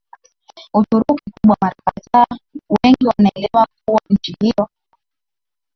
Uturuki Kubwa mara kadhaa wengi wanaelewa kuwa nchi yao